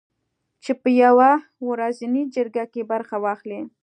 چې په یوه ورځنۍ جرګه کې برخه واخلي